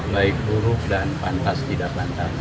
baik buruk dan pantas tidak pantas